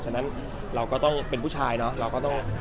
ฉะนั้นเราก็ต้องเป็นผู้ชายเนอะเราก็ต้อง